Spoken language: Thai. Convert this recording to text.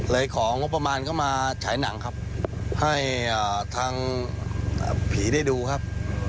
ของงบประมาณเข้ามาฉายหนังครับให้ทางผีได้ดูครับ